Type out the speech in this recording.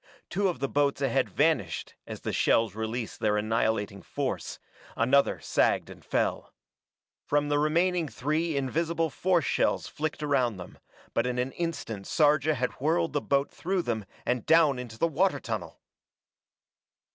Two of the boats ahead vanished as the shells released their annihilating force, another sagged and fell. From the remaining three invisible force shells flicked around them, but in an instant Sarja had whirled the boat through them and down into the water tunnel!